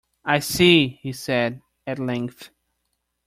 "I see," he said, at length.